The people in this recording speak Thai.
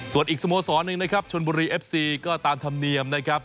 ส่วนอีกสโมสรหนึ่งนะครับชนบุรีเอฟซีก็ตามธรรมเนียมนะครับ